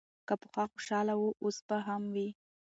که پخوا خوشاله و، اوس به هم وي.